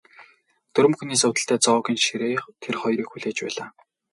Дөрвөн хүний суудалтай зоогийн ширээ тэр хоёрыг хүлээж байлаа.